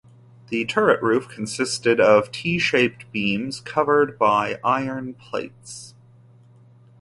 The turret roof consisted of T-shaped beams covered by iron plates.